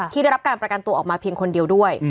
ที่ได้รับประกาศตัวไปเพียงคนเดียวด้วย